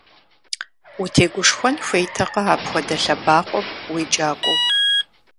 Утегушхуэн хуейтэкъэ апхуэдэ лъэбакъуэм уеджакӏуэу!